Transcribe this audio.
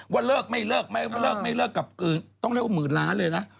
ว่าเลิกไม่เลิกไม่เลิกไม่เลิกกับต้องเรียกว่าหมื่นล้านเลยนะ